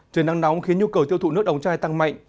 trời nắng nóng khiến nhu cầu tiêu thụ nước ống chai tăng mạnh